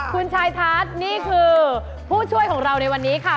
คุณชายทัศน์นี่คือผู้ช่วยของเราในวันนี้ค่ะ